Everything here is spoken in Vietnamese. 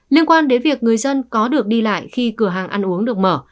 liên quan đến việc người dân có được đi lại khi cửa hàng ăn uống được mở